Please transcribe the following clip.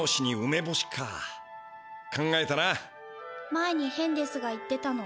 前にヘンデスが言ってたの。